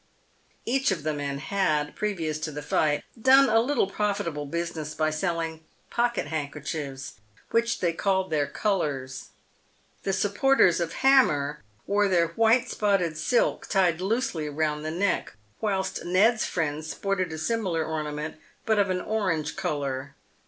Each of the men had, previous to the fight, done a little profitable business by selling pocket handkerchiefs, which they called their colours. The supporters of Hammer wore their white spotted silk tied loosely round the neck, whilst Ned's friends sported a similar ornament, but of an orange colour.